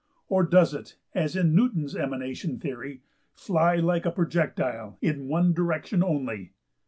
Or does it, as in Newton's emanation theory, fly like a projectile in one direction only?